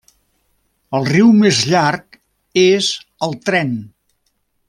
El riu més llarg és el Trent.